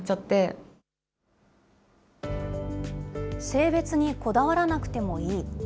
性別にこだわらなくてもいい。